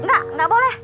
nggak nggak boleh